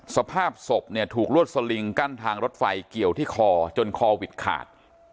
สภาพศพเนี่ยถูกลวดสลิงกั้นทางรถไฟเกี่ยวที่คอจนคอวิดขาด